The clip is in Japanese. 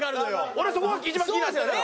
俺そこ一番気になってたの。